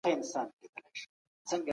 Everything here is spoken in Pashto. زموږ کړنې زموږ د فکرونو پایله وي.